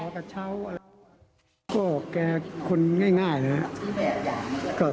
ก็แกคุณง่ายนะ